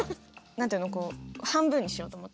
何て言うの半分にしようと思って。